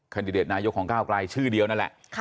ดิเดตนายกของก้าวกลายชื่อเดียวนั่นแหละ